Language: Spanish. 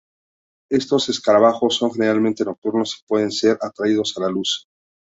Estos escarabajos son generalmente nocturnos y pueden ser atraídos a la luz.